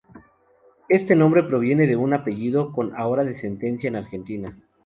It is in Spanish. Este nombre proviene de un apellido con ahora descendencia en Argentina